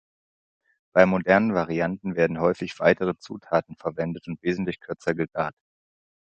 Bei modernen Varianten werden häufig weitere Zutaten verwendet und wesentlich kürzer gegart.